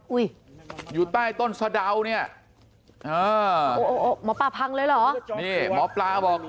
อุ้ยอยู่ใต้ต้นสนะเดาเนี้ยหมอปาพังเลยเหรอหมอปลาบอก